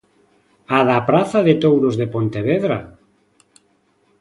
A da praza de touros de Pontevedra?